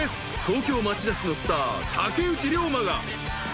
東京町田市のスター竹内涼真が］